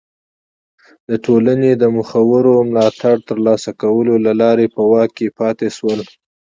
د ټولنې د مخورو ملاتړ ترلاسه کولو له لارې په واک کې پاتې شول.